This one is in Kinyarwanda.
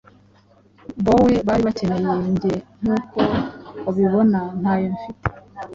Boe bari bakeneye, njye nkuko ubibona, ntayo mfite